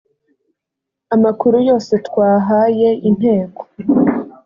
amakuru yose twayahaye inteko